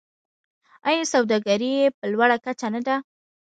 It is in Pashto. آیا سوداګري یې په لوړه کچه نه ده؟